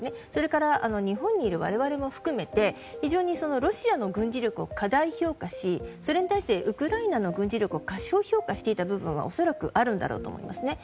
それから日本にいる我々も含めて非常にロシアの軍事力を過大評価し、それに対してウクライナの軍事力を過小評価していた部分は恐らくあるんだろうと思います。